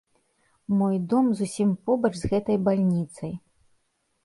Мой дом зусім побач з гэтай бальніцай.